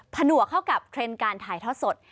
ผนวกเข้ากับเทรนด์การถ่ายทอดสด